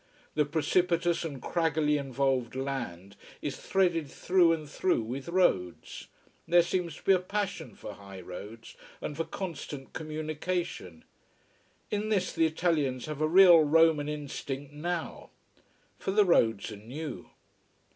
The precipitous and craggily involved land is threaded through and through with roads. There seems to be a passion for high roads and for constant communication. In this the Italians have a real Roman instinct, now. For the roads are new.